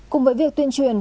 cùng với việc tuyên truyền